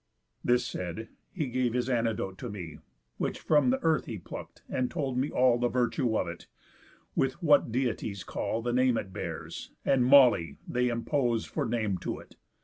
This said, he gave his antidote to me, Which from the earth he pluck'd, and told me all The virtue of it, with what Deities call The name it bears; and Moly they impose For name to it.